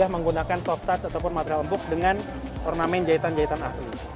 menggunakan soft touch ataupun material empuk dengan ornamen jahitan jahitan asli